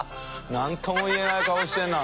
なんとも言えない顔してるな